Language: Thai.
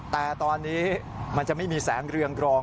แต่ตอนนี้มันจะไม่มีแสงเรืองกรอง